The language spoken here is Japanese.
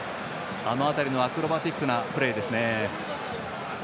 あの辺りのアクロバティックなプレーですね。